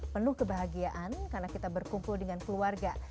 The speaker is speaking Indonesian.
penuh kebahagiaan karena kita berkumpul dengan keluarga